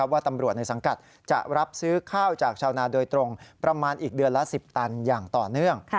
ว่าตำรวจในสังกัดจะรับซื้อข้าวจากชาวนาโดยตรงประมาณอีกเดือนละ๑๐ตันอย่างต่อเนื่อง